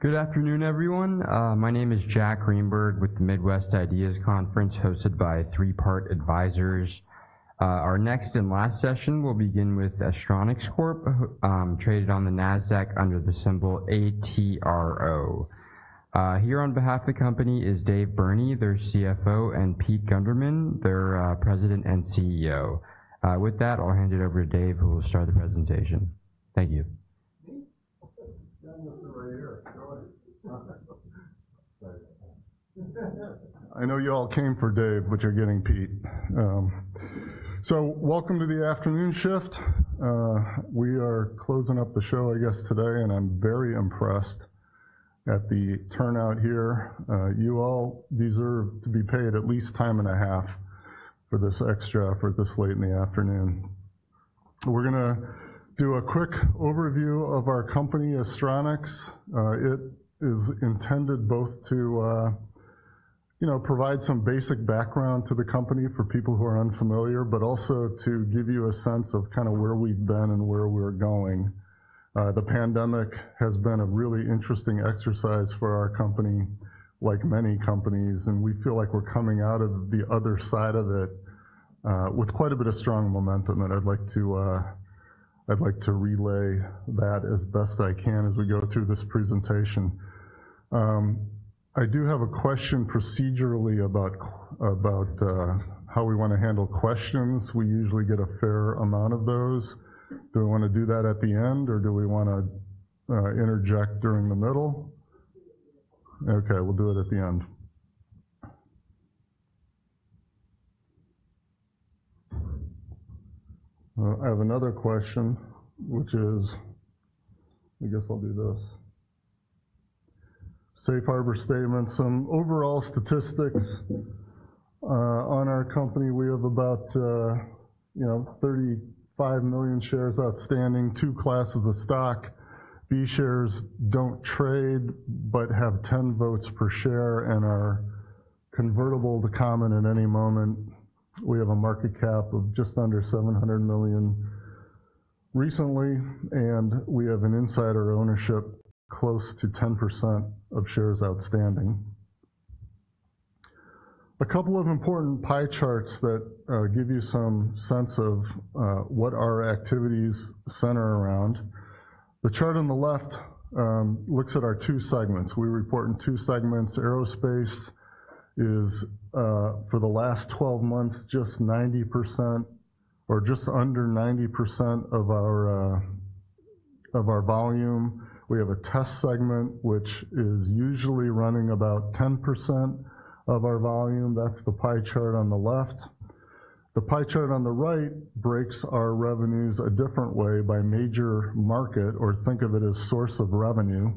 Good afternoon, everyone. My name is Jack Greenberg, with the Midwest IDEAS Conference, hosted by Three Part Advisors. Our next and last session will begin with Astronics Corp, traded on the Nasdaq under the symbol ATRO. Here on behalf of the company is Dave Burney, their CFO, and Pete Gundermann, their President and CEO. With that, I'll hand it over to Dave, who will start the presentation. Thank you. Me?... Right here. I know you all came for Dave, but you're getting Pete. So welcome to the afternoon shift. We are closing up the show, I guess, today, and I'm very impressed at the turnout here. You all deserve to be paid at least time and a half for this extra effort this late in the afternoon. We're gonna do a quick overview of our company, Astronics. It is intended both to, you know, provide some basic background to the company for people who are unfamiliar, but also to give you a sense of kinda where we've been and where we're going. The pandemic has been a really interesting exercise for our company, like many companies, and we feel like we're coming out of the other side of it with quite a bit of strong momentum, and I'd like to relay that as best I can as we go through this presentation. I do have a question procedurally about how we wanna handle questions. We usually get a fair amount of those. Do we wanna do that at the end, or do we wanna interject during the middle? Okay, we'll do it at the end. I have another question, which is. I guess I'll do this. Safe harbor statement. Some overall statistics on our company. We have about, you know, 35 million shares outstanding, two classes of stock. B shares don't trade, but have 10 votes per share and are convertible to common at any moment. We have a market cap of just under $700 million recently, and we have an insider ownership close to 10% of shares outstanding. A couple of important pie charts that give you some sense of what our activities center around. The chart on the left looks at our two segments. We report in two segments. Aerospace is for the last 12 months just 90% or just under 90% of our volume. We have a test segment, which is usually running about 10% of our volume. That's the pie chart on the left. The pie chart on the right breaks our revenues a different way by major market, or think of it as source of revenue.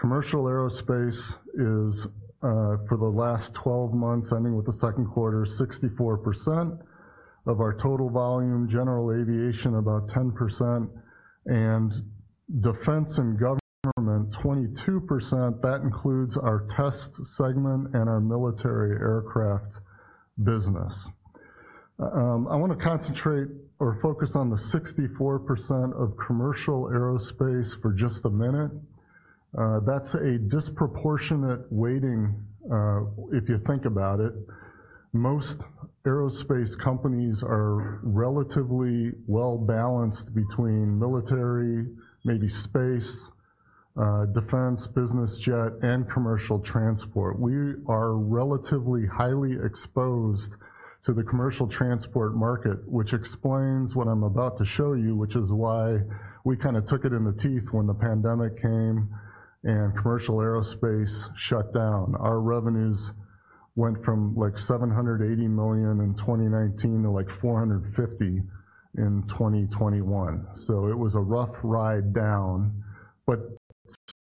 Commercial aerospace is for the last 12 months, ending with the second quarter, 64% of our total volume, general aviation, about 10%, and defense and government, 22%. That includes our test segment and our military aircraft business. I wanna concentrate or focus on the 64% of commercial aerospace for just a minute. That's a disproportionate weighting, if you think about it. Most aerospace companies are relatively well-balanced between military, maybe space, defense, business jet, and commercial transport. We are relatively highly exposed to the commercial transport market, which explains what I'm about to show you, which is why we kinda took it in the teeth when the pandemic came and commercial aerospace shut down. Our revenues went from, like, $780 million in 2019 to, like, $450 million in 2021. So it was a rough ride down. But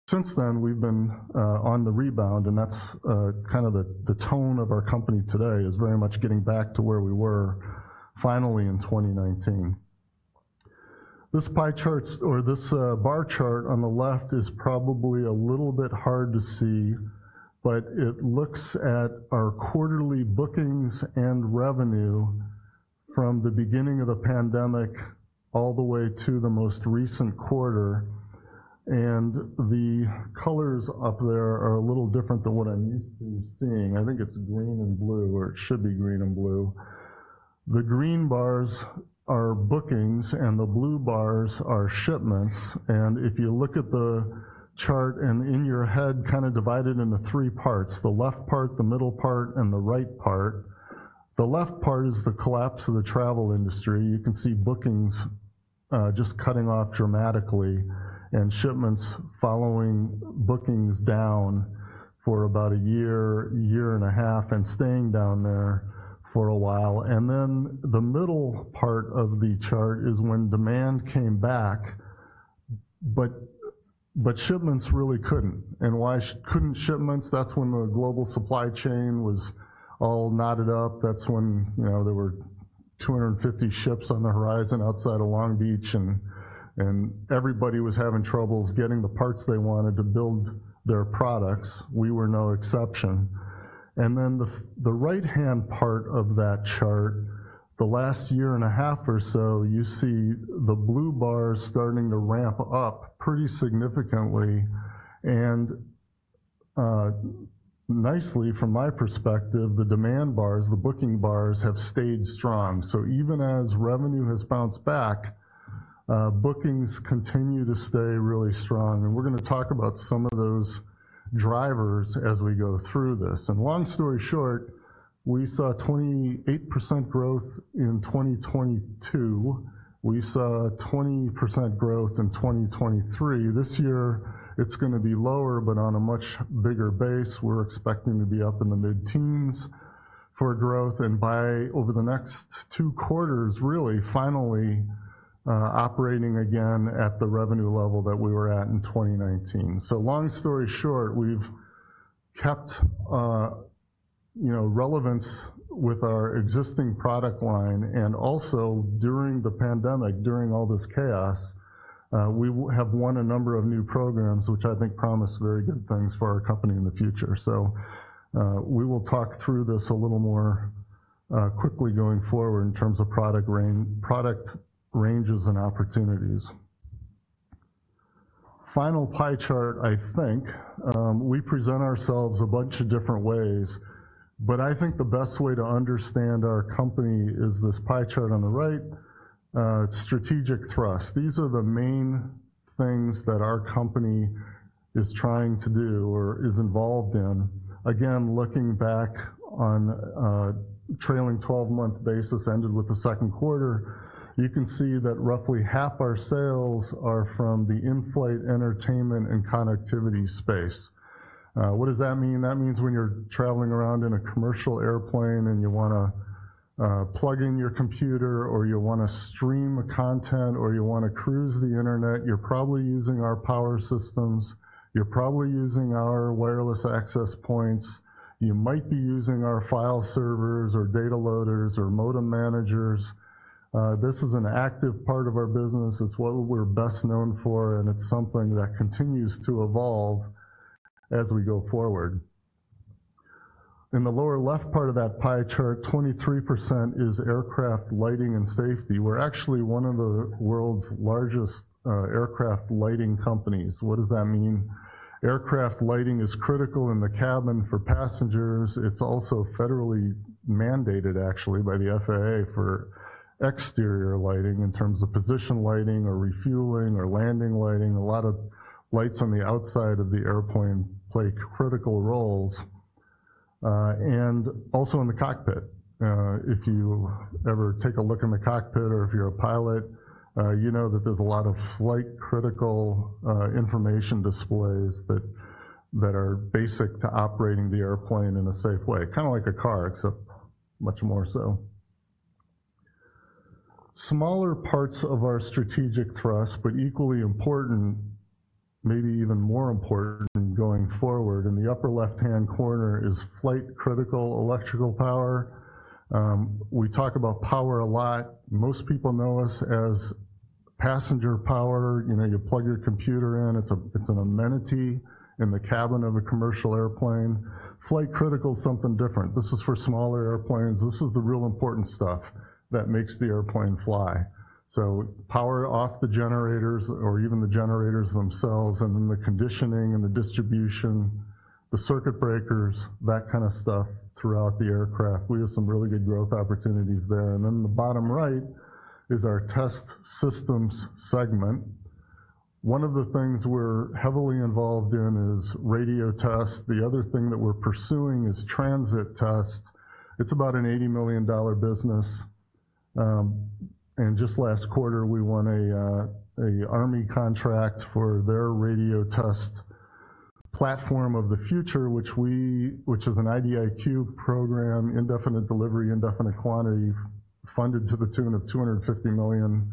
since then, we've been on the rebound, and that's kind of the tone of our company today, is very much getting back to where we were finally in 2019. This pie charts or this bar chart on the left is probably a little bit hard to see, but it looks at our quarterly bookings and revenue from the beginning of the pandemic all the way to the most recent quarter, and the colors up there are a little different than what I'm used to seeing. I think it's green and blue, or it should be green and blue. The green bars are bookings, and the blue bars are shipments, and if you look at the chart, and in your head, kinda divide it into three parts: the left part, the middle part, and the right part. The left part is the collapse of the travel industry. You can see bookings just cutting off dramatically and shipments following bookings down for about a year, year and a half, and staying down there for a while, and then the middle part of the chart is when demand came back, but shipments really couldn't. Why couldn't shipments? That's when the global supply chain was all knotted up. That's when, you know, there were 250 ships on the horizon outside of Long Beach, and everybody was having troubles getting the parts they wanted to build their products. We were no exception. And then the right-hand part of that chart, the last year and a half or so, you see the blue bars starting to ramp up pretty significantly, and, nicely, from my perspective, the demand bars, the booking bars, have stayed strong. So even as revenue has bounced back, bookings continue to stay really strong, and we're gonna talk about some of those drivers as we go through this. And long story short, we saw 28% growth in 2022. We saw 20% growth in 2023. This year, it's gonna be lower, but on a much bigger base. We're expecting to be up in the mid-teens for growth, and by over the next two quarters, really finally, operating again at the revenue level that we were at in 2019. So long story short, we've kept, you know, relevance with our existing product line, and also during the pandemic, during all this chaos, we have won a number of new programs, which I think promise very good things for our company in the future. So, we will talk through this a little more, quickly going forward in terms of product ranges and opportunities. Final pie chart, I think. We present ourselves a bunch of different ways, but I think the best way to understand our company is this pie chart on the right, strategic thrust. These are the main things that our company is trying to do or is involved in. Again, looking back on a trailing twelve-month basis, ended with the second quarter, you can see that roughly half our sales are from the in-flight entertainment and connectivity space. What does that mean? That means when you're traveling around in a commercial airplane, and you wanna plug in your computer, or you wanna stream content, or you wanna cruise the internet, you're probably using our power systems. You're probably using our wireless access points. You might be using our file servers or data loaders or modem managers. This is an active part of our business. It's what we're best known for, and it's something that continues to evolve as we go forward. In the lower left part of that pie chart, 23% is aircraft lighting and safety. We're actually one of the world's largest aircraft lighting companies. What does that mean? Aircraft lighting is critical in the cabin for passengers. It's also federally mandated, actually, by the FAA for exterior lighting in terms of position lighting or refueling or landing lighting. A lot of lights on the outside of the airplane play critical roles, and also in the cockpit. If you ever take a look in the cockpit or if you're a pilot, you know that there's a lot of flight-critical information displays that are basic to operating the airplane in a safe way. Kinda like a car, except much more so. Smaller parts of our strategic thrust, but equally important, maybe even more important going forward, in the upper left-hand corner is flight-critical electrical power. We talk about power a lot. Most people know us as passenger power. You know, you plug your computer in. It's an amenity in the cabin of a commercial airplane. Flight-critical is something different. This is for smaller airplanes. This is the real important stuff that makes the airplane fly. Power off the generators or even the generators themselves, and then the conditioning and the distribution, the circuit breakers, that kind of stuff throughout the aircraft. We have some really good growth opportunities there. And then the bottom right is our test systems segment. One of the things we're heavily involved in is radio tests. The other thing that we're pursuing is transit tests. It's about an $80 million business. And just last quarter, we won an Army contract for their radio test platform of the future, which is an IDIQ program, Indefinite Delivery, Indefinite Quantity, funded to the tune of $250 million,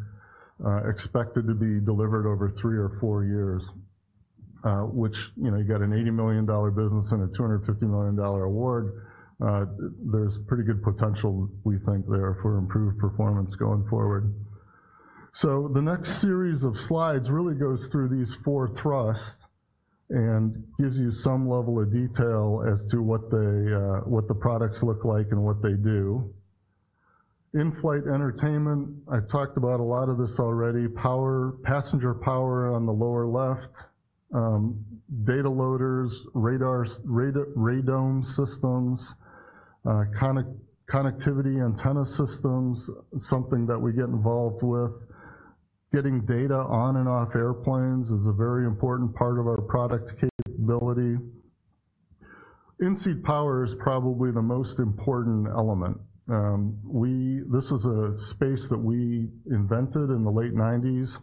expected to be delivered over three or four years. Which, you know, you get a $80 million business and a $250 million award, there's pretty good potential, we think, there for improved performance going forward. So the next series of slides really goes through these four thrusts and gives you some level of detail as to what the, what the products look like and what they do. In-flight entertainment, I've talked about a lot of this already. Power, passenger power on the lower left, data loaders, radars, radome systems, connectivity, antenna systems, something that we get involved with. Getting data on and off airplanes is a very important part of our product capability. In-seat power is probably the most important element. We this is a space that we invented in the late 1990s.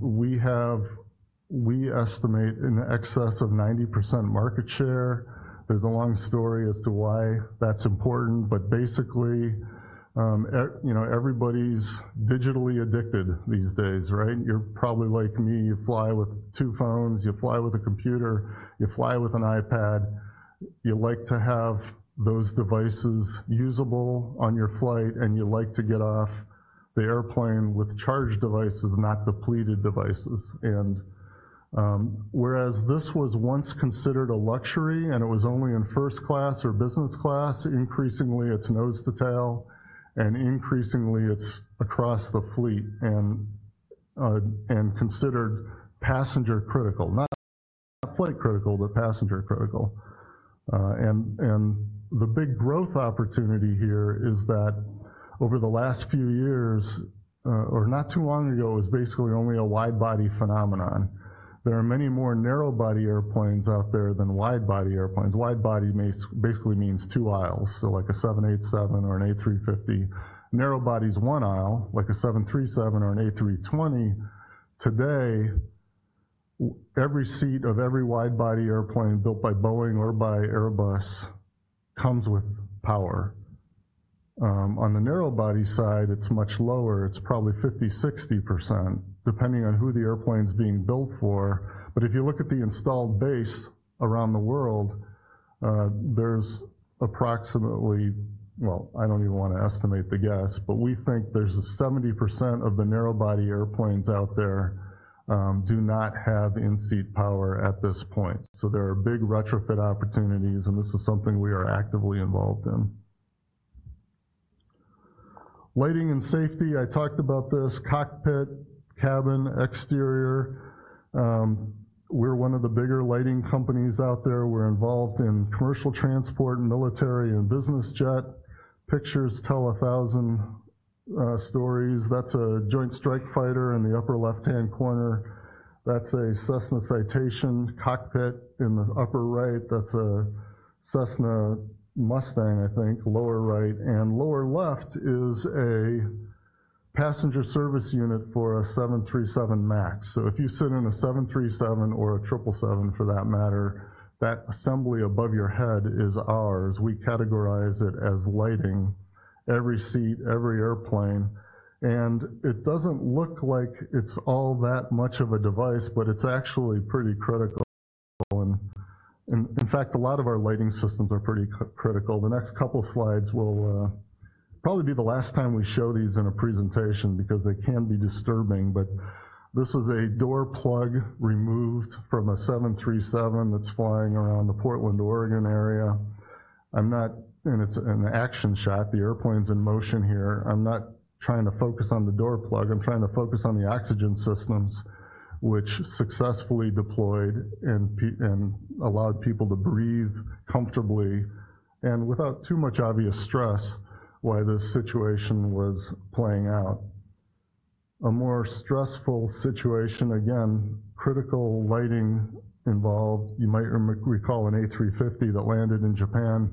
We have, we estimate, in excess of 90% market share. There's a long story as to why that's important, but basically, you know, everybody's digitally addicted these days, right? You're probably like me. You fly with two phones, you fly with a computer, you fly with an iPad. You like to have those devices usable on your flight, and you like to get off the airplane with charged devices, not depleted devices. Whereas this was once considered a luxury, and it was only in first class or business class, increasingly, it's nose to tail, and increasingly it's across the fleet and considered passenger critical, not flight critical, but passenger critical. The big growth opportunity here is that over the last few years, or not too long ago, it was basically only a wide-body phenomenon. There are many more narrow-body airplanes out there than wide-body airplanes. Wide-body basically means two aisles, so like a 787 or an A350. Narrow-body is one aisle, like a 737 or an A320. Today, every seat of every wide-body airplane built by Boeing or by Airbus comes with power. On the narrow-body side, it's much lower. It's probably 50%-60%, depending on who the airplane's being built for. But if you look at the installed base around the world, there's approximately... I don't even want to estimate the guess, but we think 70% of the narrow-body airplanes out there do not have in-seat power at this point. So there are big retrofit opportunities, and this is something we are actively involved in. Lighting and safety, I talked about this, cockpit, cabin, exterior. We're one of the bigger lighting companies out there. We're involved in commercial transport, military, and business jet. Pictures tell a thousand stories. That's a Joint Strike Fighter in the upper left-hand corner. That's a Cessna Citation cockpit in the upper right. That's a Cessna Mustang, I think, lower right, and lower left is a passenger service unit for a 737 MAX. So if you sit in a 737 or a 777, for that matter, that assembly above your head is ours. We categorize it as lighting, every seat, every airplane, and it doesn't look like it's all that much of a device, but it's actually pretty critical. And in fact, a lot of our lighting systems are pretty critical. The next couple of slides will probably be the last time we show these in a presentation because they can be disturbing. But this is a door plug removed from a 737 that's flying around the Portland, Oregon, area. And it's an action shot. The airplane's in motion here. I'm not trying to focus on the door plug. I'm trying to focus on the oxygen systems, which successfully deployed and allowed people to breathe comfortably and without too much obvious stress, while this situation was playing out. A more stressful situation, again, critical lighting involved. You might recall an A350 that landed in Japan,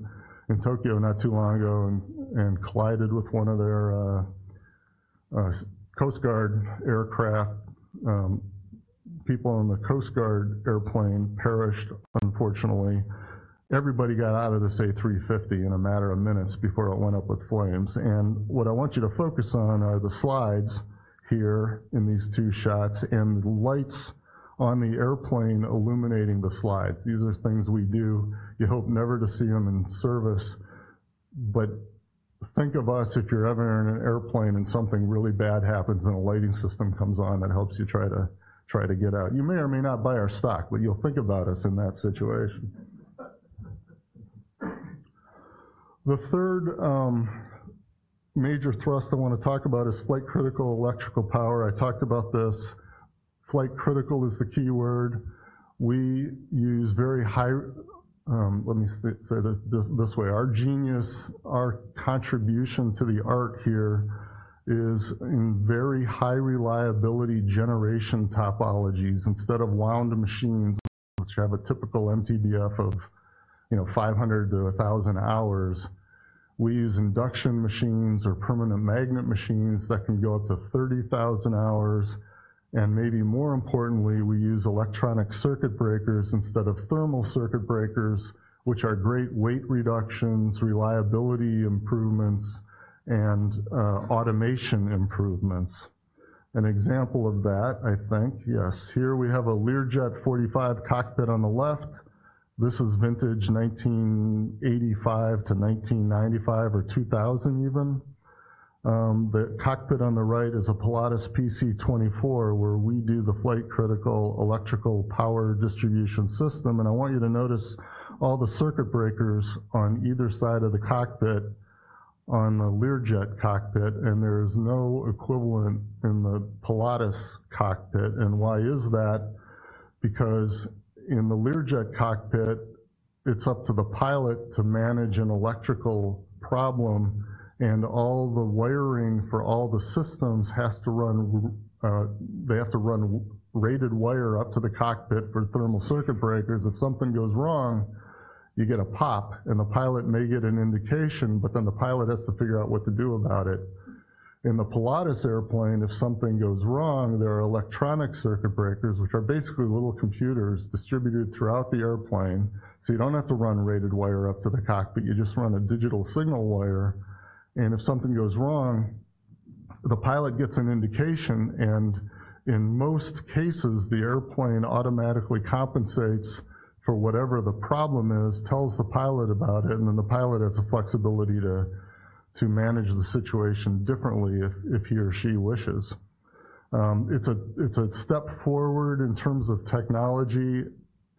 in Tokyo, not too long ago, and collided with one of their Japan Coast Guard aircraft. People on the Japan Coast Guard airplane perished, unfortunately. Everybody got out of this A350 in a matter of minutes before it went up with flames. What I want you to focus on are the slides here in these two shots, and the lights on the airplane illuminating the slides. These are things we do. You hope never to see them in service, but think of us if you're ever in an airplane and something really bad happens, and a lighting system comes on that helps you try to get out. You may or may not buy our stock, but you'll think about us in that situation. The third major thrust I want to talk about is flight-critical electrical power. I talked about this. Flight critical is the keyword. Let me say that this way, our genius, our contribution to the art here is in very high reliability generation topologies. Instead of wound machines, which have a typical MTBF of, you know, five hundred to a thousand hours, we use induction machines or permanent magnet machines that can go up to thirty thousand hours, and maybe more importantly, we use electronic circuit breakers instead of thermal circuit breakers, which are great weight reductions, reliability improvements, and automation improvements. An example of that, I think, yes, here we have a Learjet 45 cockpit on the left. This is vintage nineteen eighty-five to nineteen ninety-five or two thousand even. The cockpit on the right is a Pilatus PC-24, where we do the flight-critical electrical power distribution system. And I want you to notice all the circuit breakers on either side of the cockpit on the Learjet cockpit, and there is no equivalent in the Pilatus cockpit. And why is that? Because in the Learjet cockpit, it's up to the pilot to manage an electrical problem, and all the wiring for all the systems has to run, they have to run rated wire up to the cockpit for thermal circuit breakers. If something goes wrong, you get a pop, and the pilot may get an indication, but then the pilot has to figure out what to do about it. In the Pilatus airplane, if something goes wrong, there are electronic circuit breakers, which are basically little computers distributed throughout the airplane, so you don't have to run rated wire up to the cockpit. You just run a digital signal wire, and if something goes wrong, the pilot gets an indication, and in most cases, the airplane automatically compensates for whatever the problem is, tells the pilot about it, and then the pilot has the flexibility to-... to manage the situation differently if he or she wishes. It's a step forward in terms of technology.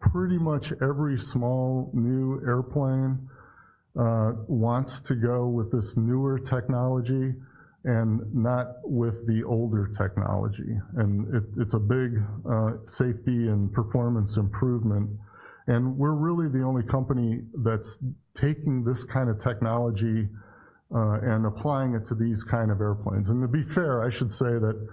Pretty much every small, new airplane wants to go with this newer technology and not with the older technology, and it's a big safety and performance improvement, and we're really the only company that's taking this kind of technology and applying it to these kind of airplanes. And to be fair, I should say that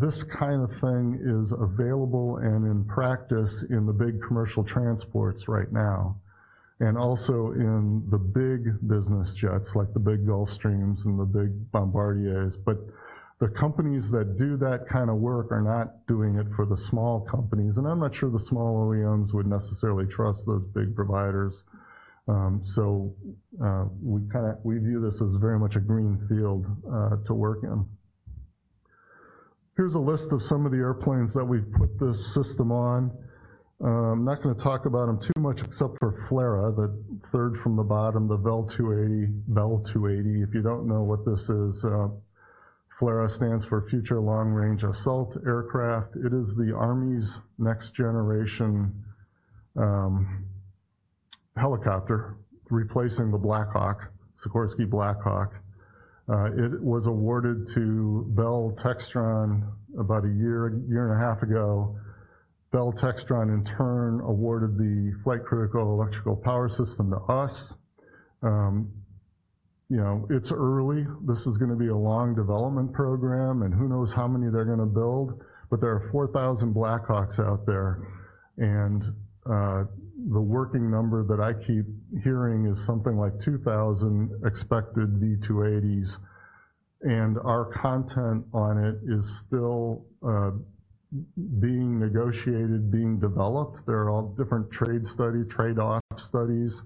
this kind of thing is available and in practice in the big commercial transports right now, and also in the big business jets, like the big Gulfstreams and the big Bombardiers. But the companies that do that kind of work are not doing it for the small companies, and I'm not sure the small OEMs would necessarily trust those big providers. We kind of view this as very much a greenfield to work in. Here's a list of some of the airplanes that we've put this system on. I'm not gonna talk about them too much, except for FLRAA, the third from the bottom, the Bell V-280. If you don't know what this is, FLRAA stands for Future Long-Range Assault Aircraft. It is the Army's next generation helicopter, replacing the Black Hawk, Sikorsky Black Hawk. It was awarded to Bell Textron about a year and a half ago. Bell Textron, in turn, awarded the flight critical electrical power system to us. You know, it's early. This is gonna be a long development program, and who knows how many they're gonna build, but there are four thousand Black Hawks out there, and the working number that I keep hearing is something like two thousand expected V-280s, and our content on it is still being negotiated, being developed. There are all different trade study, trade-off studies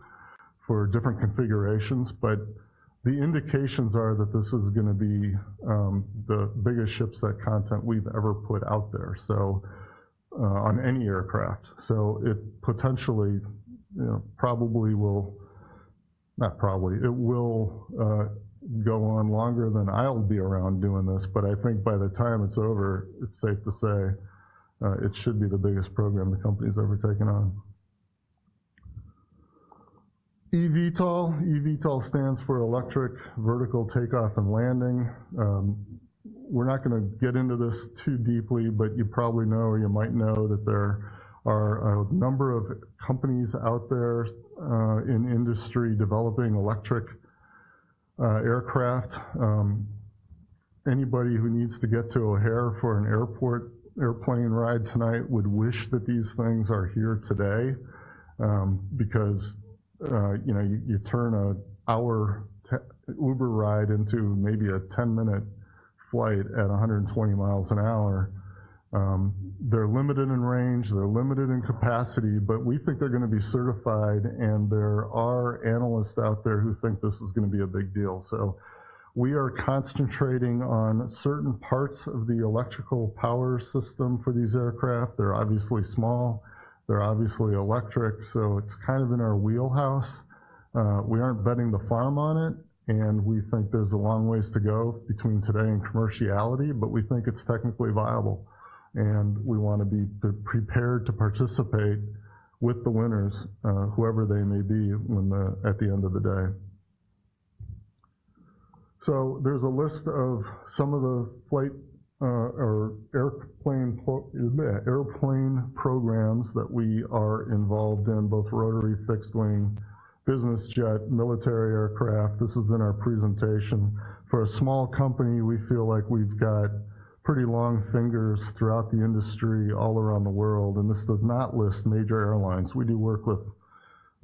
for different configurations, but the indications are that this is gonna be the biggest shipset content we've ever put out there, so on any aircraft. So it potentially, you know, probably will... Not probably, it will go on longer than I'll be around doing this, but I think by the time it's over, it's safe to say it should be the biggest program the company's ever taken on. eVTOL. eVTOL stands for Electric Vertical Takeoff and Landing. We're not gonna get into this too deeply, but you probably know, or you might know that there are a number of companies out there, in industry developing electric aircraft. Anybody who needs to get to O'Hare for an airplane ride tonight would wish that these things are here today, because, you know, you turn an hour Uber ride into maybe a 10-minute flight at 120 miles an hour. They're limited in range, they're limited in capacity, but we think they're gonna be certified, and there are analysts out there who think this is gonna be a big deal. So we are concentrating on certain parts of the electrical power system for these aircraft. They're obviously small, they're obviously electric, so it's kind of in our wheelhouse. We aren't betting the farm on it, and we think there's a long ways to go between today and commerciality, but we think it's technically viable, and we want to be prepared to participate with the winners, whoever they may be when at the end of the day. So there's a list of some of the flight or airplane programs that we are involved in, both rotary, fixed wing, business jet, military aircraft. This is in our presentation. For a small company, we feel like we've got pretty long fingers throughout the industry, all around the world, and this does not list major airlines. We do work with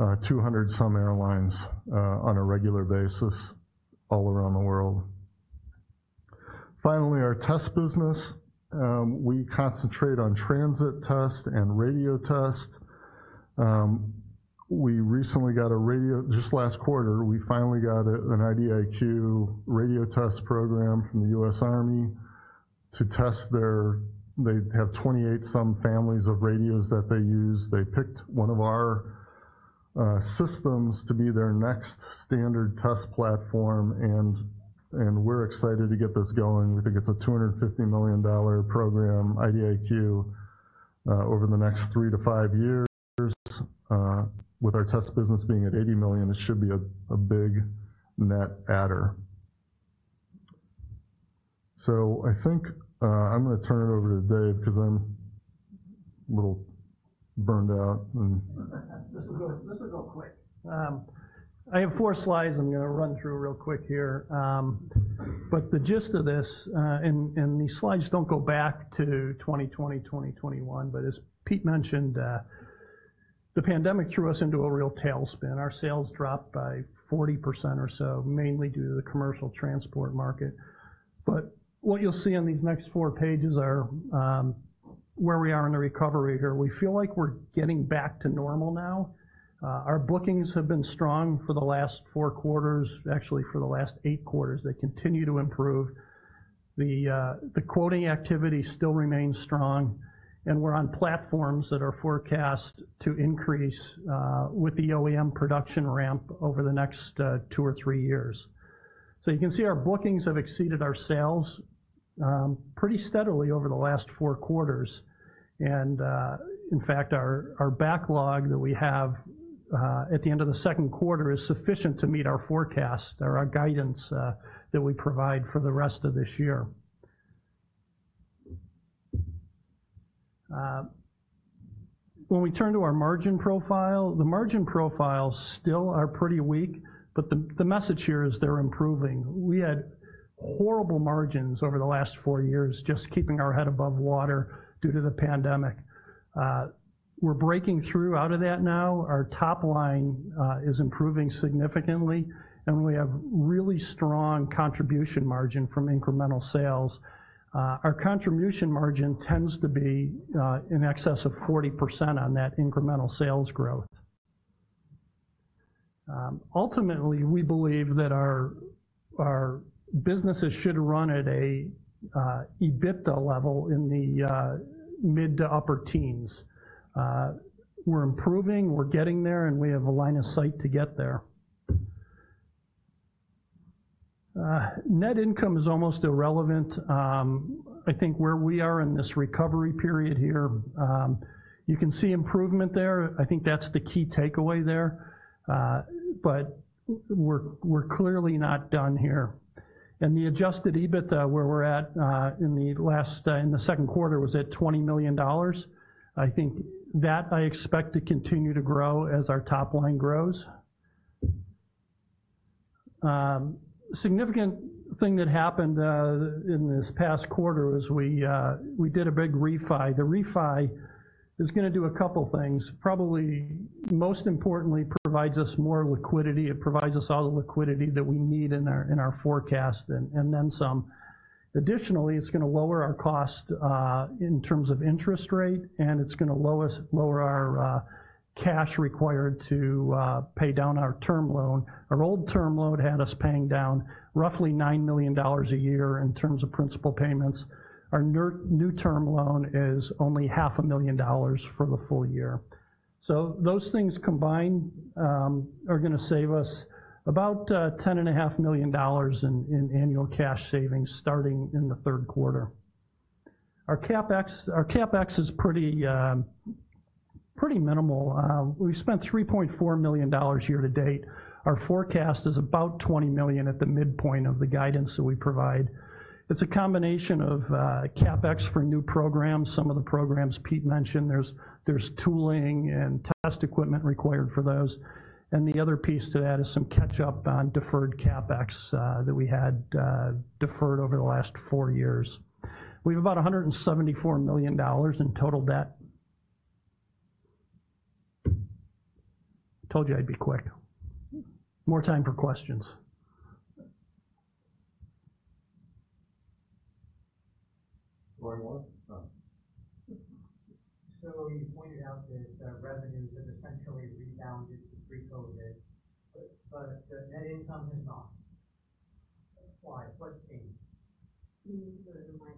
200-some airlines on a regular basis all around the world. Finally, our test business. We concentrate on transit test and radio test. We recently got. Just last quarter, we finally got an IDIQ radio test program from the US Army to test their. They have 28-some families of radios that they use. They picked one of our systems to be their next standard test platform, and we're excited to get this going. We think it's a $250 million program, IDIQ, over the next 3-5 years. With our test business being at $80 million, it should be a big net adder. So I think, I'm gonna turn it over to Dave because I'm a little burned out and- This will go, this will go quick. I have four slides I'm gonna run through real quick here. But the gist of this, and these slides don't go back to 2020, 2021, but as Pete mentioned, the pandemic threw us into a real tailspin. Our sales dropped by 40% or so, mainly due to the commercial transport market. But what you'll see on these next four pages are, where we are in the recovery here. We feel like we're getting back to normal now. Our bookings have been strong for the last four quarters, actually, for the last eight quarters. They continue to improve. The quoting activity still remains strong, and we're on platforms that are forecast to increase, with the OEM production ramp over the next, two or three years. So you can see our bookings have exceeded our sales, pretty steadily over the last four quarters, and in fact, our backlog that we have at the end of the second quarter is sufficient to meet our forecast or our guidance that we provide for the rest of this year. When we turn to our margin profile, the margin profiles still are pretty weak, but the message here is they're improving. We had horrible margins over the last four years, just keeping our head above water due to the pandemic. We're breaking through out of that now. Our top line is improving significantly, and we have really strong contribution margin from incremental sales. Our contribution margin tends to be in excess of 40% on that incremental sales growth. Ultimately, we believe that our businesses should run at a EBITDA level in the mid to upper teens. We're improving, we're getting there, and we have a line of sight to get there. Net income is almost irrelevant. I think where we are in this recovery period here, you can see improvement there. I think that's the key takeaway there, but we're clearly not done here, and the adjusted EBITDA, where we're at, in the last, in the second quarter, was at $20 million. I think that I expect to continue to grow as our top line grows. Significant thing that happened, in this past quarter is we, we did a big refi. The refi is gonna do a couple things, probably most importantly, provides us more liquidity. It provides us all the liquidity that we need in our forecast, and then some. Additionally, it's gonna lower our cost in terms of interest rate, and it's gonna lower our cash required to pay down our term loan. Our old term loan had us paying down roughly $9 million a year in terms of principal payments. Our new term loan is only $500,000 for the full year. So those things combined are gonna save us about $10.5 million in annual cash savings starting in the third quarter. Our CapEx is pretty minimal. We've spent $3.4 million year to date. Our forecast is about $20 million at the midpoint of the guidance that we provide. It's a combination of CapEx for new programs. Some of the programs Pete mentioned, there's tooling and test equipment required for those. And the other piece to that is some catch up on deferred CapEx that we had deferred over the last four years. We have about $174 million in total debt. Told you I'd be quick. More time for questions. Lorne Wallace? So you pointed out that revenues have essentially rebounded to pre-COVID, but the net income has not. Why? What changed? Can you move the mic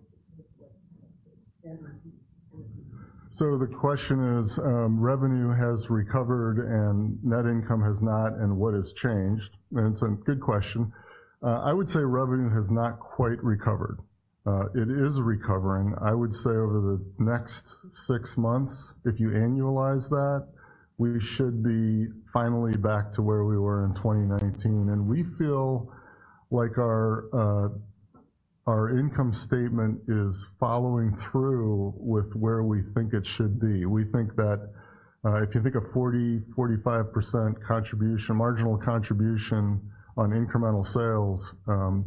closer? The question is: Revenue has recovered and net income has not, and what has changed? And it's a good question. I would say revenue has not quite recovered. It is recovering. I would say over the next six months, if you annualize that, we should be finally back to where we were in 2019, and we feel like our income statement is following through with where we think it should be. We think that if you think of 40-45% contribution, marginal contribution on incremental sales,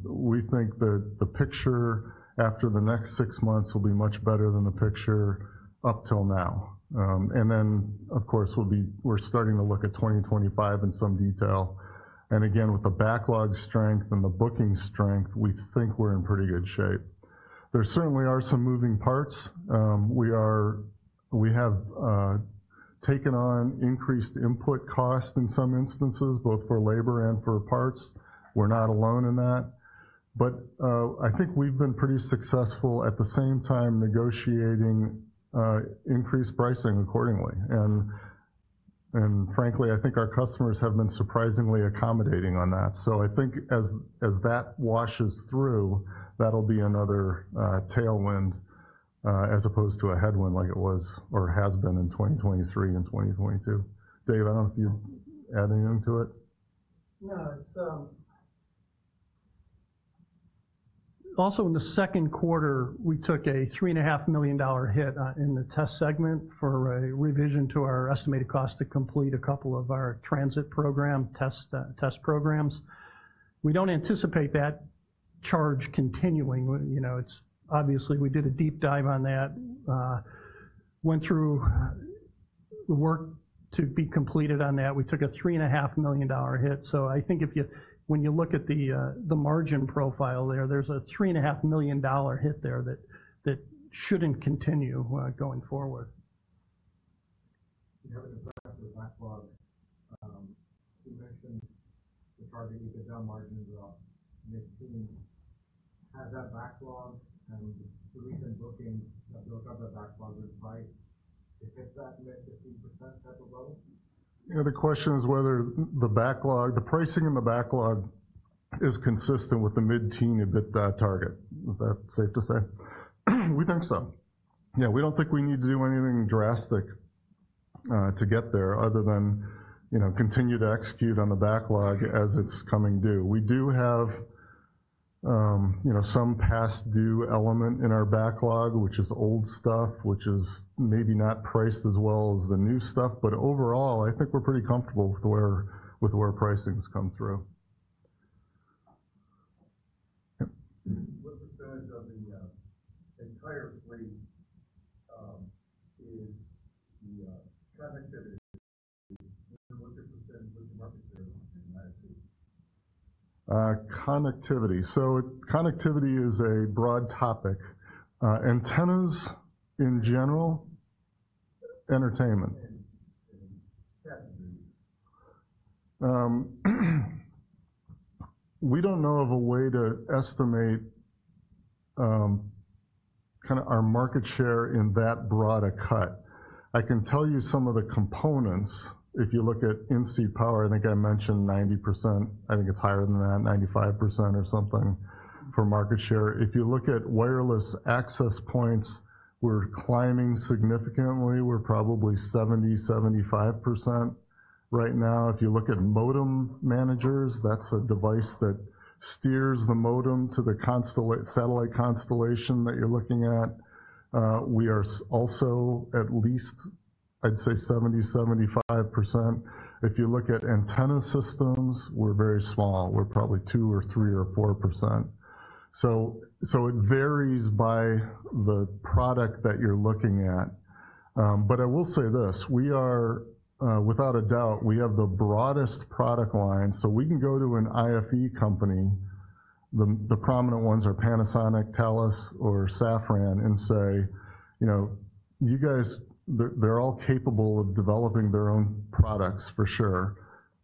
we think that the picture after the next six months will be much better than the picture up till now. And then, of course, we're starting to look at 2025 in some detail, and again, with the backlog strength and the booking strength, we think we're in pretty good shape. There certainly are some moving parts. We have taken on increased input cost in some instances, both for labor and for parts. We're not alone in that, but I think we've been pretty successful at the same time negotiating increased pricing accordingly, and frankly, I think our customers have been surprisingly accommodating on that, so I think as that washes through, that'll be another tailwind as opposed to a headwind like it was or has been in 2023 and 2022. Dave, I don't know if you add anything to it. No, it's. Also, in the second quarter, we took a $3.5 million hit in the test segment for a revision to our estimated cost to complete a couple of our transit program test programs. We don't anticipate that charge continuing. You know, it's obviously we did a deep dive on that, went through work to be completed on that. We took a $3.5 million hit, so I think if you, when you look at the margin profile there, there's a $3.5 million hit there that shouldn't continue going forward. ...the backlog, you mentioned the target EBITDA margins are mid-teen. Has that backlog and the recent bookings that build up the backlog, despite it, hit that mid-15% type of goal? You know, the question is whether the backlog, the pricing in the backlog is consistent with the mid-teen EBITDA target. Is that safe to say? We think so. Yeah, we don't think we need to do anything drastic to get there other than, you know, continue to execute on the backlog as it's coming due. We do have, you know, some past due element in our backlog, which is old stuff, which is maybe not priced as well as the new stuff, but overall, I think we're pretty comfortable with where pricing's come through. Yep. What percentage of the entire fleet is the connectivity? What percentage was the market share in the United States? Connectivity. So connectivity is a broad topic. Antennas in general? Entertainment. In categories. We don't know of a way to estimate kinda our market share in that broad a cut. I can tell you some of the components. If you look at in-seat power, I think I mentioned 90%. I think it's higher than that, 95% or something for market share. If you look at wireless access points, we're climbing significantly. We're probably 70-75% right now. If you look at modem managers, that's a device that steers the modem to the satellite constellation that you're looking at. We are also at least, I'd say 70-75%. If you look at antenna systems, we're very small. We're probably 2%, 3%, or 4%. It varies by the product that you're looking at. But I will say this, we are without a doubt, we have the broadest product line, so we can go to an IFE company, the prominent ones are Panasonic, Thales, or Safran, and say, "You know, you guys..." They're all capable of developing their own products for sure,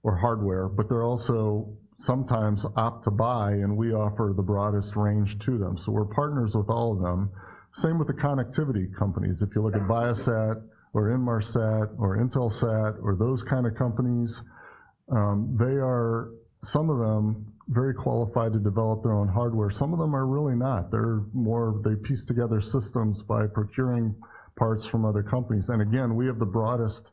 or hardware, but they're also sometimes opt to buy, and we offer the broadest range to them. So we're partners with all of them. Same with the connectivity companies. If you look at Viasat, or Inmarsat, or Intelsat, or those kind of companies, they are, some of them, very qualified to develop their own hardware. Some of them are really not. They're more, they piece together systems by procuring parts from other companies. And again, we have the broadest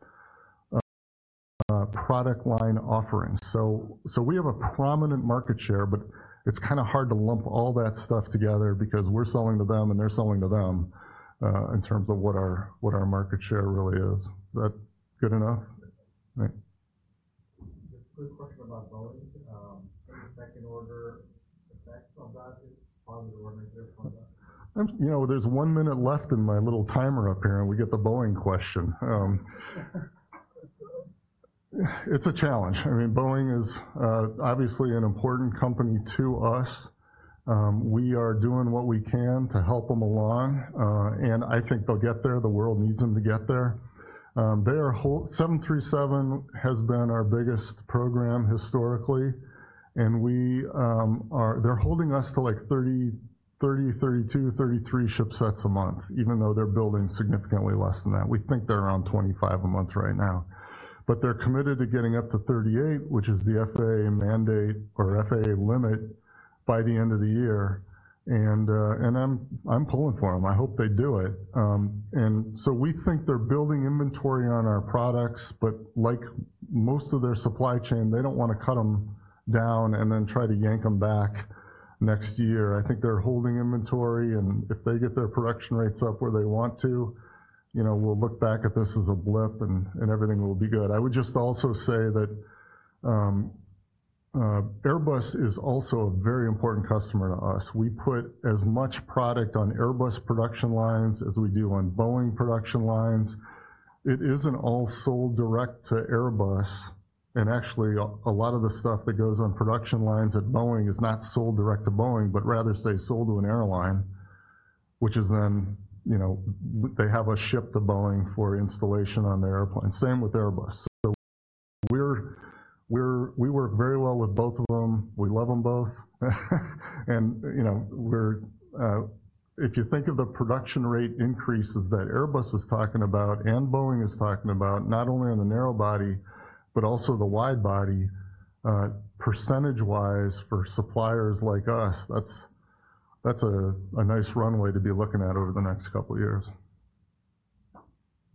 product line offering. So we have a prominent market share, but it's kinda hard to lump all that stuff together because we're selling to them, and they're selling to them, in terms of what our market share really is. Is that good enough? Right. Just a quick question about Boeing. Any second order effects on that is positive or negative on that? You know, there's one minute left in my little timer up here, and we get the Boeing question. It's a challenge. I mean, Boeing is obviously an important company to us. We are doing what we can to help them along, and I think they'll get there. The world needs them to get there. The 737 has been our biggest program historically, and we, they're holding us to, like, 30, 30, 32, 33 ship sets a month, even though they're building significantly less than that. We think they're around 25 a month right now. But they're committed to getting up to 38, which is the FAA mandate or FAA limit, by the end of the year, and I'm pulling for them. I hope they do it. And so we think they're building inventory on our products, but like most of their supply chain, they don't wanna cut them down and then try to yank them back next year. I think they're holding inventory, and if they get their production rates up where they want to, you know, we'll look back at this as a blip, and everything will be good. I would just also say that Airbus is also a very important customer to us. We put as much product on Airbus production lines as we do on Boeing production lines. It isn't all sold direct to Airbus, and actually, a lot of the stuff that goes on production lines at Boeing is not sold direct to Boeing, but rather, say, sold to an airline, which is then, you know, they have us ship to Boeing for installation on the airplane. Same with Airbus. So we're, we work very well with both of them. We love them both. And, you know, we're, if you think of the production rate increases that Airbus is talking about and Boeing is talking about, not only in the narrow body, but also the wide-body, percentage-wise, for suppliers like us, that's a nice runway to be looking at over the next couple of years.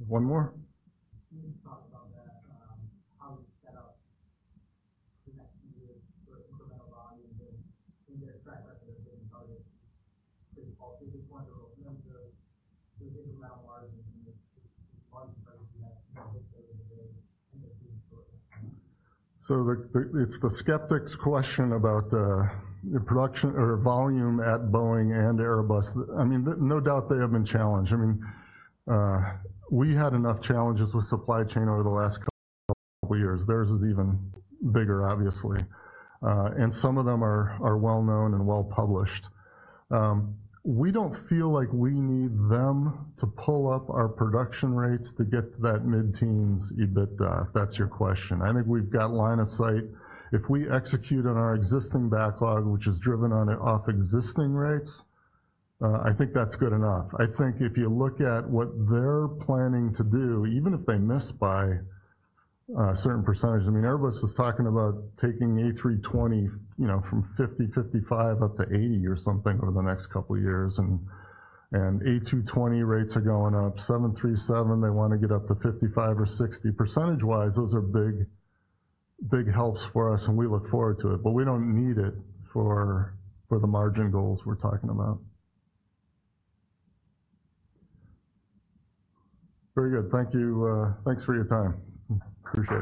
One more? Can you talk about the how you set up the next few years for incremental volume in their track record of getting targets at this point or open up to the different margins in the next few years? It's the skeptic's question about the production or volume at Boeing and Airbus. I mean, no doubt they have been challenged. I mean, we had enough challenges with supply chain over the last couple of years. Theirs is even bigger, obviously, and some of them are well known and well published. We don't feel like we need them to pull up our production rates to get to that mid-teens EBITDA, if that's your question. I think we've got line of sight. If we execute on our existing backlog, which is driven on it off existing rates, I think that's good enough. I think if you look at what they're planning to do, even if they miss by a certain percentage, I mean, Airbus is talking about taking A320, you know, from 50, 55, up to 80 or something over the next couple of years, and A220 rates are going up. 737, they wanna get up to 55 or 60. Percentage-wise, those are big, big helps for us, and we look forward to it, but we don't need it for the margin goals we're talking about. Very good. Thank you. Thanks for your time. Appreciate it.